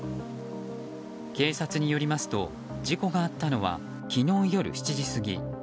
警察によりますと事故があったのは昨日夜７時過ぎ。